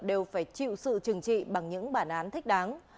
đều phải chịu sự trừng trị bằng những bản án thích đáng